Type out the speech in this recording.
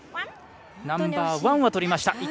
ナンバーワンは取りました。